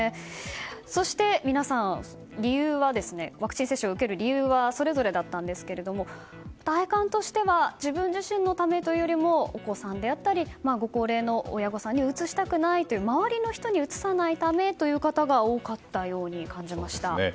そして皆さんワクチン接種を受ける理由はそれぞれだったんですけれども体感としては自分自身のためというよりもお子さんであったりご高齢の親御さんにうつしたくないという周りの人にうつさないためという方が多かったように感じました。